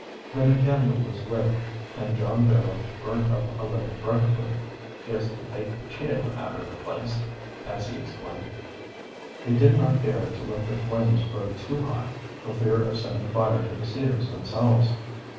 Then a candle was lit and John Barrow burnt up a little brushwood, "jest to take the chill outer the place," as he explained. They did not dare to let the flames grow too high for fear of setting fire to the cedars themselves.